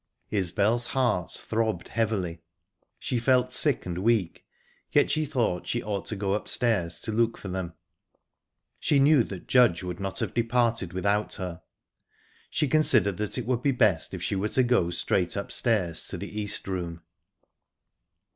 Isbel's heart throbbed heavily, she felt sick and weak, yet she thought she ought to go upstairs to look for them. She knew that Judge would not have departed without her. She considered that it would be best if she were to go straight upstairs to the East Room.